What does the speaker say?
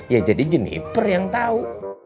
ya jadi jeniper yang tahu